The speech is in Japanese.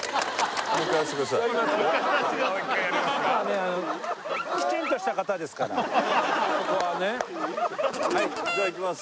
はいここはねじゃあいきます